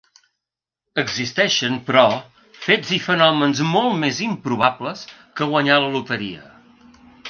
Existeixen però fets i fenòmens molt més improbables que guanyar la loteria.